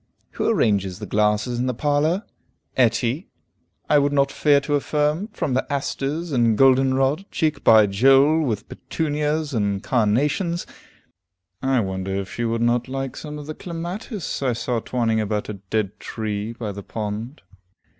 Who arranges the glasses in the parlor? Etty, I would not fear to affirm, from the asters and golden rod, cheek by jole with petunias and carnations. I wonder if she would not like some of the clematis I saw twining about a dead tree by the pond.